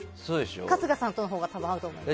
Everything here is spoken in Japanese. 春日さんとのほうが合うと思います。